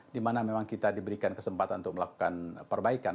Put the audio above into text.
di mana memang kita diberikan kesempatan untuk melakukan perbaikan